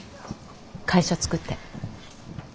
会社作って。